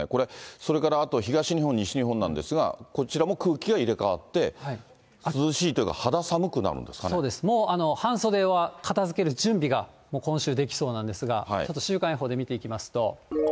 それからあと東日本、西日本なんですが、こちらも空気は入れ替わって涼しいというか、そうです、半袖は片づける準備が今週できそうなんですが、ちょっと週間予報で見ていきますと。